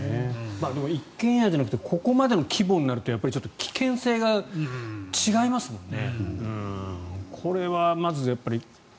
でも一軒家じゃなくてここまでの規模になると危険性が違いますもんね。